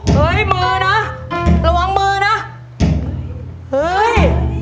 เฮ้ยมือนะระวังมือนะเฮ้ย